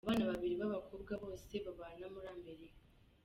abana babiri b'abakobwa bose babana muri Amerika.